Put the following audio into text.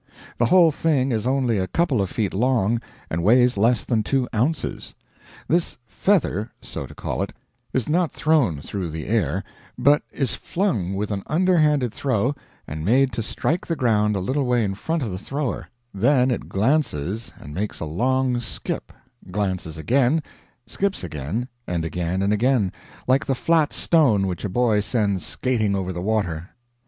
The whole thing is only a couple of feet long, and weighs less than two ounces. This feather so to call it is not thrown through the air, but is flung with an underhanded throw and made to strike the ground a little way in front of the thrower; then it glances and makes a long skip; glances again, skips again, and again and again, like the flat stone which a boy sends skating over the water.